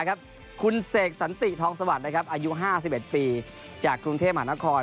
คุณเสกสันติทองสวัสดิ์อายุ๕๑ปีจากกรุงเทพมหานคร